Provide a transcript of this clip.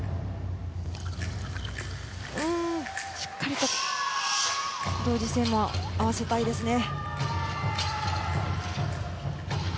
しっかりと同時性も合わせたいですね。